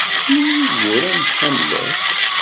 Anwa ay d-yuran Hamlet?